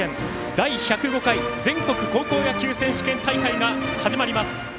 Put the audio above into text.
第１０５回全国高校野球選手権大会が始まります。